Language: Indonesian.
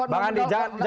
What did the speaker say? bang andi jangan